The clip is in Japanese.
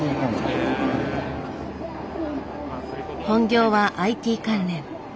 本業はＩＴ関連。